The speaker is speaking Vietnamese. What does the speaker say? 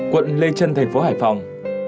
quận lê trân thành phố hải phòng